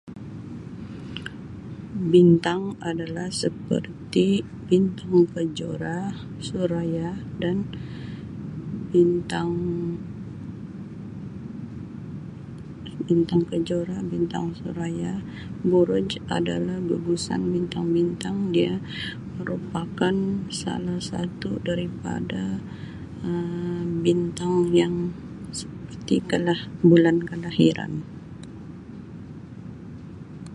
Bintang adalah seperti bintang kejora, suraya dan bintang- bintang kejora, bintang suraya. Buruju adalah gugusan bintang-bintang dia merupakan salah satu daripada Um bintang yang seperti ialah bulan kelahiran.